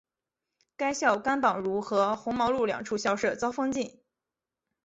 该校甘榜汝和红毛路两处校舍遭封禁。